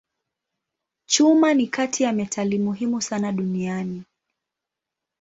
Chuma ni kati ya metali muhimu sana duniani.